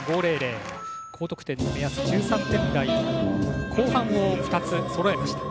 高得点の目安、１３点台後半を２つそろえました。